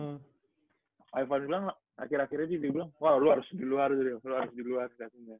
lu harus di luar